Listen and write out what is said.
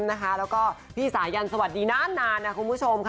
แล้วก็พี่สายันสวัสดีนานนะคุณผู้ชมค่ะ